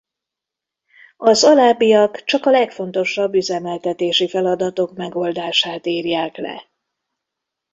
Az alábbiak csak a legfontosabb üzemeltetési feladatok megoldását írják le.